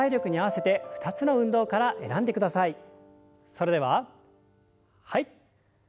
それでははい。